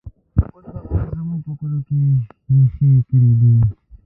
اوس بغاوت زموږ په کلو کې ریښې کړي دی